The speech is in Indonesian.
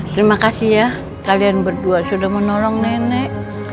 terima kasih ya kalian berdua sudah menolong nenek